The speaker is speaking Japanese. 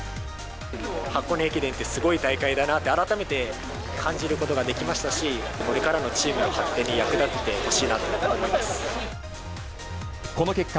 箱根駅伝ってすごい大会だなって、改めて感じることができましたし、これからのチームの発展に役立てこの結果、